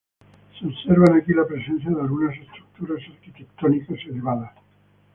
Se observan aquí la presencia de algunas estructuras arquitectónicas elevadas.